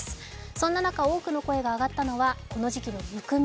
そんな中、多くの声が上がったのはこの時期のむくみ。